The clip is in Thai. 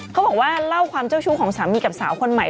เขาบอกว่าเล่าความเจ้าชู้ของสามีกับสาวคนใหม่